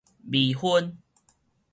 微分